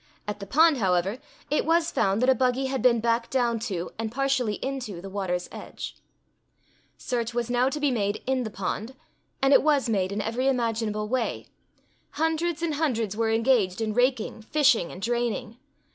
At the pond, however, it was found that a buggy had been backed down to, and partially into the water's edge. Search was now to be made in the pond; and it was made in every imaginable way. Hundreds and hundreds were engaged in raking, fishing, and draining.